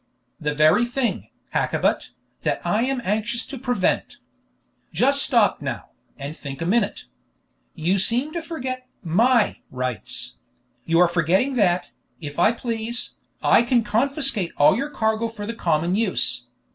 "The very thing, Hakkabut, that I am anxious to prevent. Just stop now, and think a minute. You seem to forget my rights; you are forgetting that, if I please, I can confiscate all your cargo for the common use.